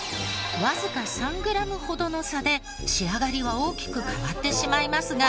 わずか３グラムほどの差で仕上がりは大きく変わってしまいますが。